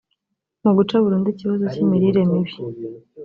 Mu guca burundu ikibazo cy’imirire mibi